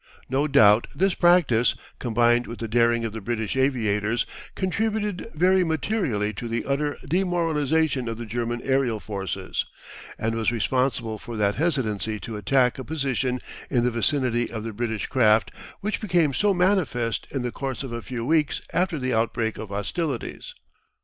No doubt this practice, combined with the daring of the British aviators, contributed very materially to the utter demoralisation of the German aerial forces, and was responsible for that hesitancy to attack a position in the vicinity of the British craft which became so manifest in the course of a few weeks after the outbreak of hostilities.